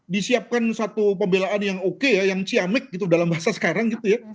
disiapkan satu pembelaan yang oke ya yang ciamik gitu dalam bahasa sekarang gitu ya